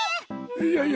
いやいや